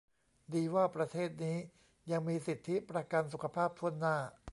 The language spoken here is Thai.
ดีว่าประเทศนี้ยังมีสิทธิประกันสุขภาพถ้วนหน้า